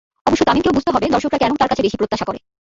অবশ্য তামিমকেও বুঝতে হবে দর্শকেরা কেন তার কাছে বেশি প্রত্যাশা করে।